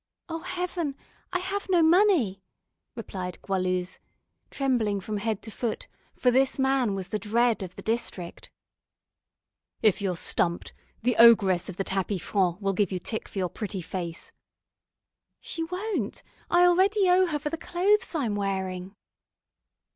"Oh, Heaven! I have no money," replied Goualeuse, trembling from head to foot, for this man was the dread of the district. "If you're stumped, the ogress of the tapis franc will give you tick for your pretty face." "She won't; I already owe her for the clothes I'm wearing."